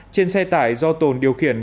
trên xe tải do tồn điều khiển